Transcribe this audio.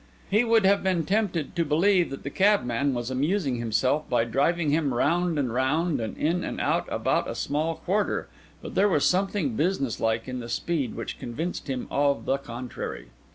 He would have been tempted to believe that the cabman was amusing himself by driving him round and round and in and out about a small quarter, but there was something business like in the speed which convinced him of the contrary.